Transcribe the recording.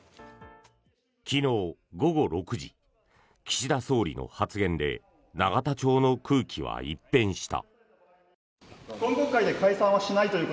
昨日午後６時岸田総理の発言で永田町の空気は一変した。